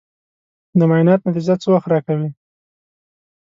د معاینات نتیجه څه وخت راکوې؟